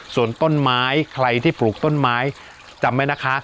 ส่วนต้นไม้ใครที่ปลูกต้นไม้จำไว้นะคะ